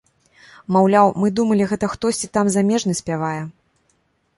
Маўляў, мы думалі, гэта хтосьці там замежны спявае.